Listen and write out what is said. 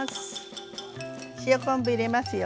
塩昆布入れますよ。